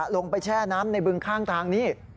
แช่น้ำในบึงข้างทางนี้